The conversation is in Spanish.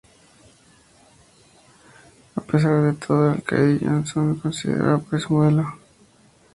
A pesar de todo, el alcaide Johnson le consideraba un preso modelo.